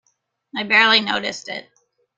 I barely noticed it.